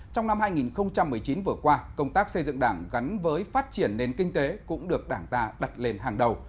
trong năm hai nghìn một mươi chín vừa qua công tác xây dựng đảng gắn với phát triển nền kinh tế cũng được đảng ta đặt lên hàng đầu